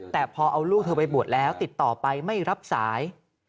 แต่พอเอาลูกเธอไปบวชแล้วติดต่อไปไม่รับสาย